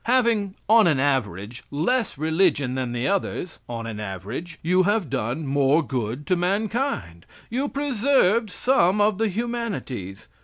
Having, on an average, less religion than the others, on an average you have done more good to mankind. You preserved some of the humanities.